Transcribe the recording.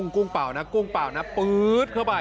กุ้งเปล่านะกุ้งเปล่านะปื๊ดเข้าไป